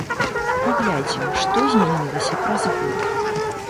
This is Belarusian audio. Паглядзім, што змянілася праз год.